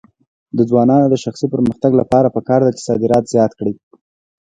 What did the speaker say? د ځوانانو د شخصي پرمختګ لپاره پکار ده چې صادرات زیات کړي.